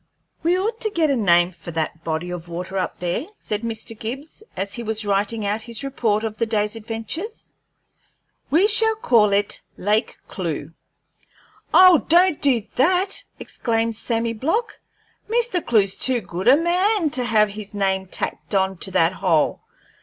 "We ought to get a name for that body of water up there," said Mr. Gibbs, as he was writing out his report of the day's adventures. "Shall we call it 'Lake Clewe'?" "Oh, don't do that!" exclaimed Sammy Block. "Mr. Clewe's too good a man to have his name tacked on to that hole.